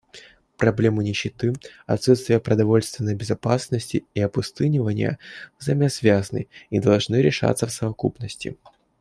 Проблемы нищеты, отсутствия продовольственной безопасности и опустынивания взаимосвязаны и должны решаться в совокупности.